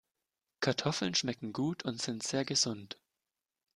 Kartoffeln schmecken gut und sind sehr gesund.